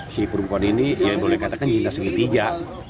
si perempuan ini ya boleh katakan cinta segitiga